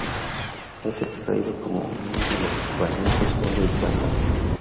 Es extraído como mena de los valiosos oro y plata.